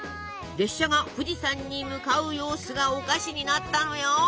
列車が富士山に向かう様子がお菓子になったのよ！